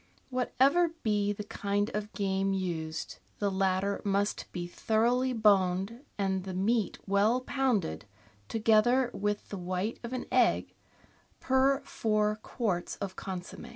— Whatever be the kind of game used, the latter must be thoroughly boned and the meat well pounded, together with the white of an egg per four quarts of consomm^.